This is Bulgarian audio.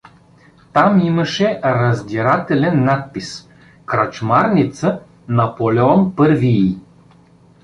Там имаше раздирателен надпис: _„Кръчмарница Наполеон I-й!